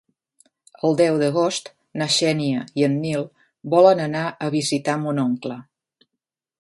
El deu d'agost na Xènia i en Nil volen anar a visitar mon oncle.